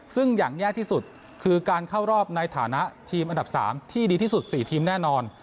ซึ่งอย่างแย่ที่สุดคือการเข้ารอบในฐานะทีมอันดับ๓ที่ดีที่สุด๔ทีมแน่นอน